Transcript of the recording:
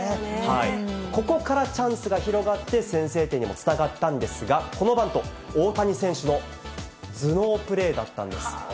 ここからチャンスが広がって先制点にもつながったんですが、このバント、大谷選手の頭脳プレーだったんです。